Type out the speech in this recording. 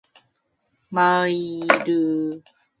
만일 나에게 재산이 다 없어진다 하면 나를 따라올 사람은 하나도 없을 터이지.